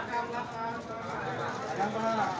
tidak bisa diserah